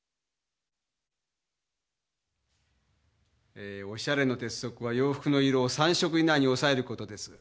えーオシャレの鉄則は洋服の色を３色以内に抑えることです。